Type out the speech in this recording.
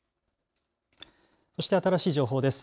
そして新しい情報です。